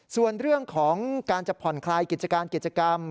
ส่วนเรื่องของการจะผ่อนคลายกิจการกิจกรรม